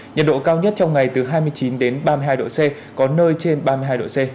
nhiệt độ cao nhất trong ngày từ hai mươi chín ba mươi hai độ c có nơi trên ba mươi hai độ c